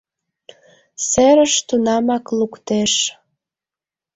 Серыш тунамак луктеш